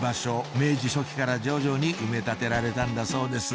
明治初期から徐々に埋め立てられたんだそうです